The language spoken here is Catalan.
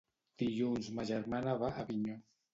Dilluns ma germana va a Avinyó.